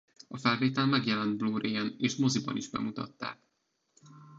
A felvétel megjelent blu-rayen és moziban is bemutatták.